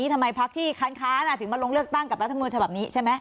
ทำไมพักที่ค้านถึงมาลงเลือกตั้งกับรัฐมนต์ฉบับนี้ใช่ไหม